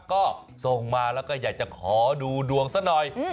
ก็ส่งมาแล้วก็อยากจะขอดูดวงซะหน่อย